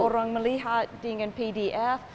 orang melihat dengan pdf